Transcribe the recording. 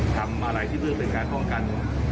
ทำอะไรที่เพื่อเป็นการป้องกัน